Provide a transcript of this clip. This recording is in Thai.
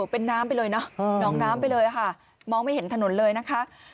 เป็นน้ำไปเลยเนอะหนองน้ำไปเลยค่ะมองไม่เห็นถนนเลยนะคะ